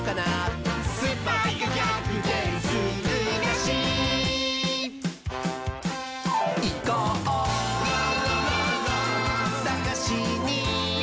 「スパイがぎゃくてんするらしい」「いこうさがしに！」